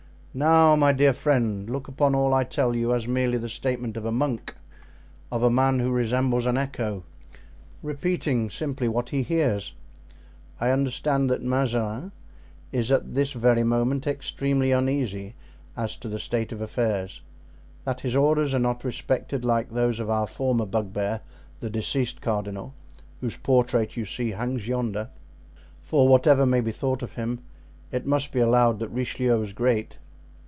"Now, my dear friend, look upon all I tell you as merely the statement of a monk—of a man who resembles an echo—repeating simply what he hears. I understand that Mazarin is at this very moment extremely uneasy as to the state of affairs; that his orders are not respected like those of our former bugbear, the deceased cardinal, whose portrait as you see hangs yonder—for whatever may be thought of him, it must be allowed that Richelieu was great."